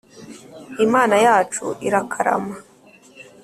imana yacu irakarama